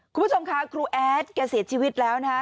ครูพรุธชมคะครูแอ๊สเก๋เสียชีวิตแล้วนะคะ